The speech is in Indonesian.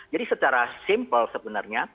jadi secara simpel sebenarnya